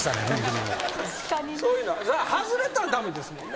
それ外れたら駄目ですもんね。